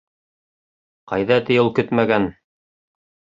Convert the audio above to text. Ҡайҙа ти ул көтмәгән!